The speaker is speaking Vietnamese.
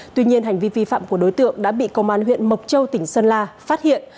tuy nhiên hành vi vi phạm của đối tượng đã bị công an huyện mộc châu tỉnh sơn la phát hiện